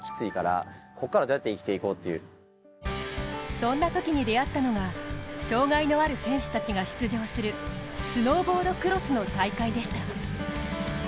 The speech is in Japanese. そんなときに出会ったのが障がいのある選手たちが出場するスノーボードクロスの大会でした。